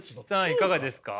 いかがですか。